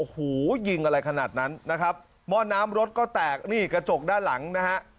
โอ้โหยิงอะไรขนาดนั้นนะครับหม้อน้ำรถก็แตกนี่กระจกด้านหลังนะฮะ